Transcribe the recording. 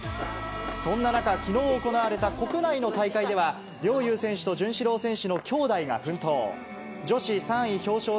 そんな中、きのう行われた国内の大会では、陵侑選手と潤志郎選手のきょうだいが奮闘。